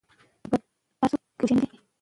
هغه مهال چې ماشومان خوندي وي، رواني زیان نه ویني.